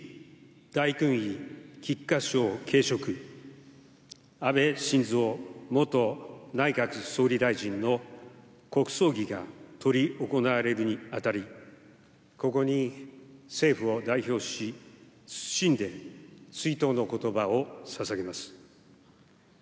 従一位大勲位菊花章頸飾、安倍晋三元内閣総理大臣の国葬儀が執り行われるにあたり、ここに政府を代表し、謹んで追悼のことばをささげます。